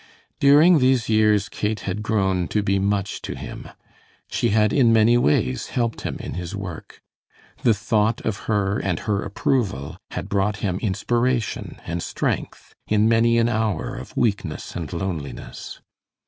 During these years Kate had grown to be much to him. She had in many ways helped him in his work. The thought of her and her approval had brought him inspiration and strength in many an hour of weakness and loneliness.